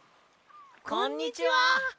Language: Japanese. こんにちは！